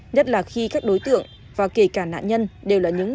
nhất là khi các đối tượng và kể cả nạn nhân đều là những